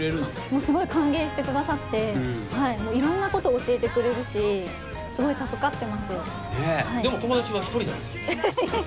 もうすごい歓迎してくださって色んなことを教えてくれるしすごい助かってますでも友達は一人なんですか？